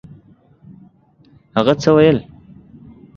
هغه څه ویل؟